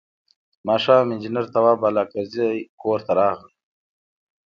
ماښام انجنیر تواب بالاکرزی کور ته راغی.